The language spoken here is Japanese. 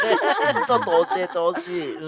ちょっと教えてほしい。